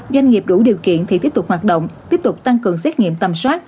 doanh nghiệp đủ điều kiện thì tiếp tục hoạt động tiếp tục tăng cường xét nghiệm tầm soát